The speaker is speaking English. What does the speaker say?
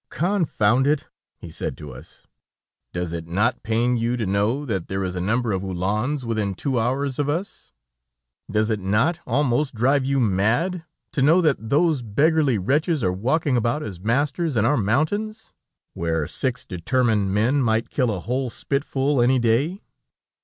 "Confound it!" he said to us, "does it not pain you to know that there is a number of Uhlans within two hours of us? Does it not almost drive you mad to know that those beggarly wretches are walking about as masters in our mountains, where six determined men might kill a whole spitful any day?